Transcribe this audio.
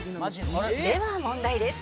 「では問題です」